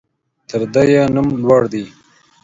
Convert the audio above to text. تر ده يې نوم لوړ دى.